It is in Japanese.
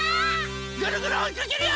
ぐるぐるおいかけるよ！